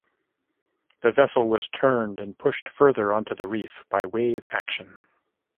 The vessel was turned and pushed further onto the reef by wave action.